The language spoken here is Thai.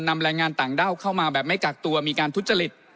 แรงงานต่างด้าวเข้ามาแบบไม่กักตัวมีการทุจริต